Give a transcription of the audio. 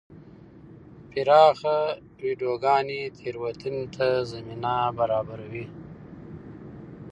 پراخه ویډیوګانې تېروتنې ته زمینه برابروي.